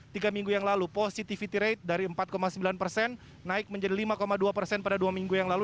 tiga minggu yang lalu positivity rate dari empat sembilan persen naik menjadi lima dua persen pada dua minggu yang lalu